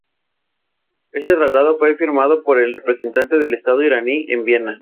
Este tratado fue firmado por el representante del Estado iraní en Viena.